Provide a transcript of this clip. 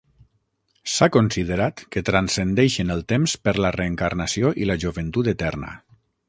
S'ha considerat que transcendeixen el temps per la reencarnació i la joventut eterna.